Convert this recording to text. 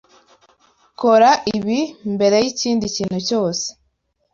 Kora ibi mbere yikindi kintu cyose.